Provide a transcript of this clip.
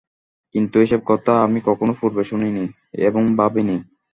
কিন্তু এ-সব কথা আমি কখনো পূর্বে শুনি নি এবং ভাবি নি।